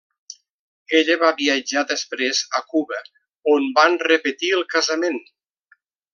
Ella va viatjar després a Cuba, on van repetir el casament.